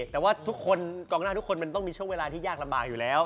แต่ว่าทุกคนกองหน้าทุกคนมันต้องมีช่วงเวลาที่ยากลำบากอยู่แล้ว